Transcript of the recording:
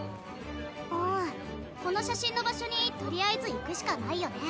うんこの写真の場所にとりあえず行くしかないよね。